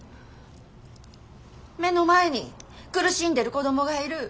目の前に苦しんでる子供がいる。